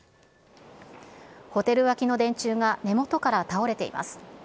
ホテル脇の電柱が根元から倒れています。